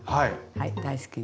はい大好きな。